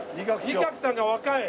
仁鶴さんが若い！